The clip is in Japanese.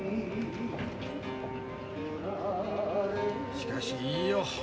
しかしいいよ。